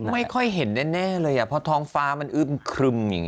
ไม่ค่อยเห็นแน่เลยอ่ะเพราะท้องฟ้ามันอึ้มครึมอย่างนี้